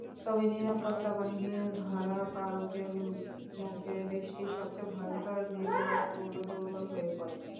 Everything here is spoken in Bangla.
তবে নিরাপত্তা বাহিনীর ধরপাকড়ের মুখে দেশটির সবচেয়ে ভয়ংকর নেটওয়ার্কগুলো দুর্বল হয়ে পড়ে।